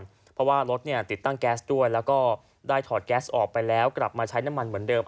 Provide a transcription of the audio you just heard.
เพราะว่ารถติดตั้งแก๊สด้วยแล้วก็ได้ถอดแก๊สออกไปแล้วกลับมาใช้น้ำมันเหมือนเดิม